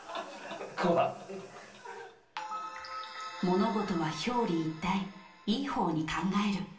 物事は表裏一体、いいほうに考える。